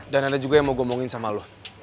dan ada juga yang mau ngomongin sama lo